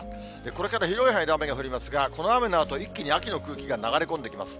これから広い範囲で雨が降りますが、この雨のあと、一気に秋の空気が流れ込んできます。